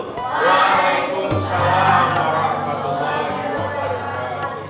waalaikumsalam warahmatullahi wabarakatuh